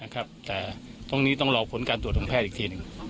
ครับแต่ต้องรอผลการตรวจยังแพทย์อีกทีนึง